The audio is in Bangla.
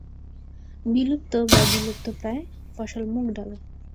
বিলুপ্ত বা বিলুপ্তপ্রায় ফসল মুগডাল।